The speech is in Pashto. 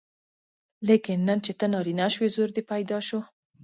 لیکن نن چې ته نارینه شوې زور دې پیدا شو.